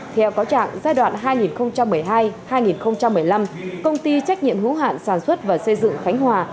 theo cáo trạng giai đoạn hai nghìn một mươi hai hai nghìn một mươi năm công ty trách nhiệm hữu hạn sản xuất và xây dựng khánh hòa